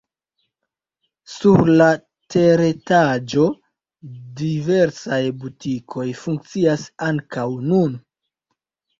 Sur la teretaĝo diversaj butikoj funkcias ankaŭ nun.